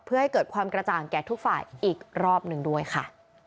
เพื่อให้เกิดความกระจ่างแก่ทุกฝ่ายอีกรอบหนึ่งด้วยค่ะ